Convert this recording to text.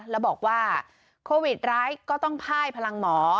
แล้วบอกว่าโควิดร้ายก็ต้องพ่ายพลังหมอ